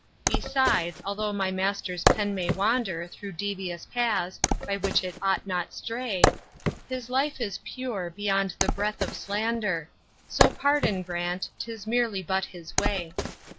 Besides, although my master's pen may wander Through devious paths, by which it ought not stray, His life is pure, beyond the breath of slander: So pardon grant; 'tis merely but his way.